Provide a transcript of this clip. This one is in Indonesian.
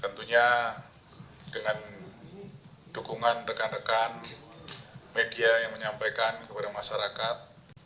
tentunya dengan dukungan rekan rekan media yang menyampaikan kepada masyarakat